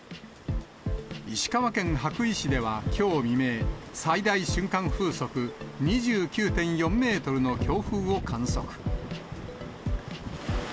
石川県羽咋市では、きょう未明、最大瞬間風速２９．４メートルの強風を観測。